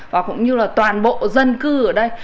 và cũng như là toàn bộ dân cư ở đây